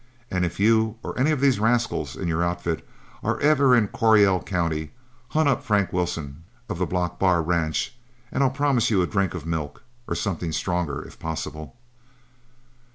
And if you or any of these rascals in your outfit are ever in Coryell County, hunt up Frank Wilson of the Block Bar Ranch, and I'll promise you a drink of milk or something stronger if possible."